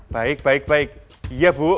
baik baik iya bu